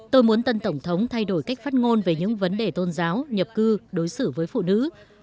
tôi muốn tân tổng thống thay đổi cách phát ngôn về những vấn đề tôn giáo nhập cư đối xử với phụ nữ